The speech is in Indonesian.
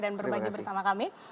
dan berbagi bersama kami